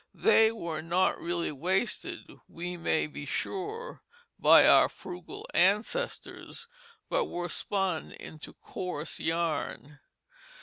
They were not really wasted, we may be sure, by our frugal ancestors, but were spun into coarse yarn.